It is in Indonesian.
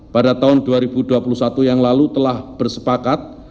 pada tahun dua ribu dua puluh satu yang lalu telah bersepakat